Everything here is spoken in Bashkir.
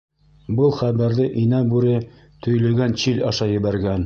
— Был хәбәрҙе Инә Бүре төйлөгән Чиль аша ебәргән.